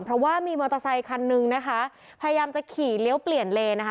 เพราะว่ามีมอเตอร์ไซคันนึงนะคะพยายามจะขี่เลี้ยวเปลี่ยนเลนนะคะ